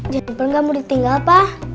jennifer gak mau ditinggal pak